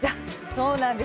そうなんです！